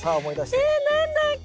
え何だっけ？